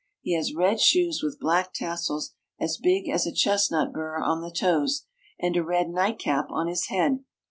He has red shoes with black tassels as big as a chestnut bur on the toes, and a red nightcap on his head.